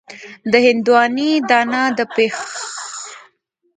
د هندواڼې دانه د پښتورګو لپاره وکاروئ